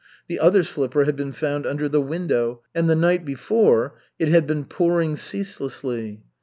The other slipper had been found under the window. And the night before it had been pouring ceaselessly.